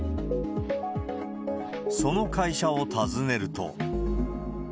その会社を訪ねると。